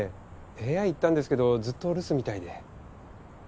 部屋行ったんですけどずっと留守みたいで。